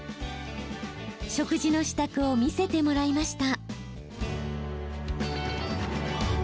食事の支度を見せてもらいました。